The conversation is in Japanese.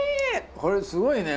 これすごいね。